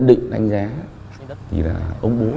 dừng ở trên đường một mươi ạ